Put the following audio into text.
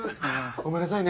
ごめんなさいね。